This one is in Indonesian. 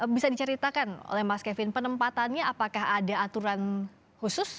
bisa diceritakan oleh mas kevin penempatannya apakah ada aturan khusus